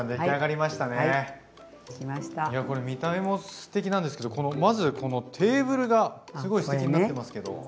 いやこれ見た目もすてきなんですけどまずこのテーブルがすごいすてきになってますけど。